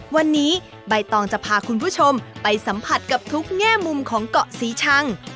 วันนี้ใบตองจะพาคุณผู้ชมไปสัมผัสกับทุกแง่มุมของเกาะศรีชัง